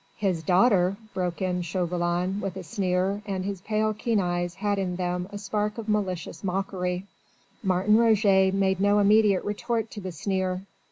"His daughter!" broke in Chauvelin with a sneer, and his pale, keen eyes had in them a spark of malicious mockery. Martin Roget made no immediate retort to the sneer.